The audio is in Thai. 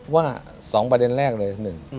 ว่า๒ประเด็นแรกเลย